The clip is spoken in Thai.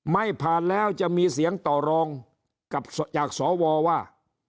ไม่ผ่านแล้วจะมีเสียงต่อรองกับจากสวว่า